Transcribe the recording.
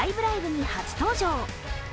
ライブ！」に初登場。